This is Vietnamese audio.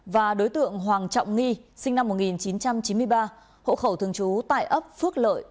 và đối tượng hoàng trọng nghi sinh năm một nghìn chín trăm chín mươi ba hộ khẩu thường trú tại ấp phước lợi